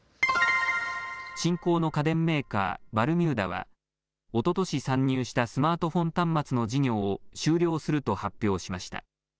新興の家電メーカーバルミューダはおととし参入したスマートフォン端末の事業を終了すると発表しました。